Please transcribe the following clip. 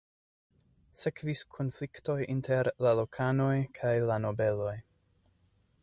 Sekvis konfliktoj inter la lokanoj kaj la nobeloj.